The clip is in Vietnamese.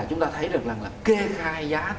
chúng ta thấy được là kê khai giá